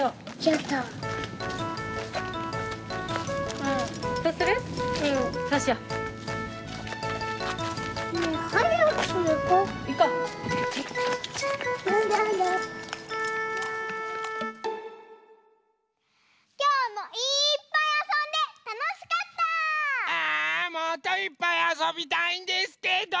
えもっといっぱいあそびたいんですけど！